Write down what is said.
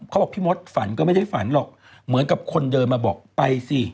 เขาบอกพี่มดฝันก็ไม่ได้ฝันหรอกเหมือนกับคนเดินมาบอกไปสิ